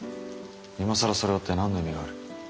今更それを追って何の意味がある？